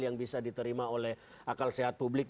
yang bisa diterima oleh akal sehat publik